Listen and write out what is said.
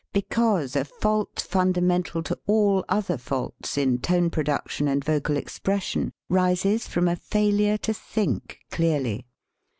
Because a fault fundamental to all other faults, in tone pro duction and vocal expression, rises from a failure to think clearly.